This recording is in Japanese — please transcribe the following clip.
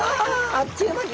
あっという間に。